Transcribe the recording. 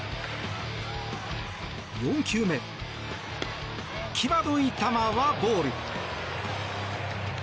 ４球目、際どい球はボール。